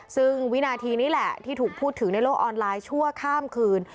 ซึ่งวินาทีนี้แหละที่ถูกพูดถึงในโลกออนไลน์ชั่วข้ามคืน